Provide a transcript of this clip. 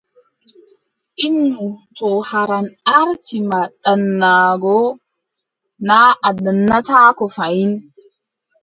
Innu to haran aarti ma ɗaanaago, naa a ɗaanataako fahin.